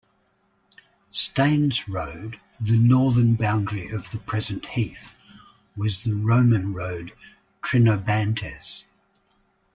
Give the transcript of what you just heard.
Staines Road, the northern boundary of the present Heath, was the Roman Road, "Trinobantes".